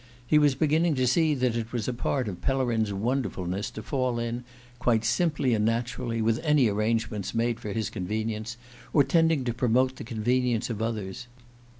He was beginning to see that it was a part of Pellerin's wonderfulness to fall in, quite simply and naturally, with any arrangements made for his convenience, or tending to promote the convenience of others.